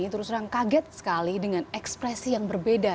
terus terang kaget sekali dengan ekspresi yang berbeda